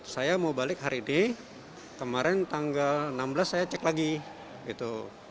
saya mau balik hari ini kemarin tanggal enam belas saya cek lagi gitu